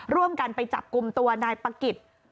ร่วมกันไปจับกลุ่มตัวนายปะกิจ